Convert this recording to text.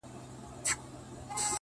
• له شنو دښتونو به سندري د کیږدیو راځي,